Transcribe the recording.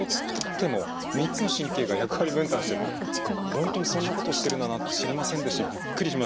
本当にそんなことしてるだなんて知りませんですしびっくりしました。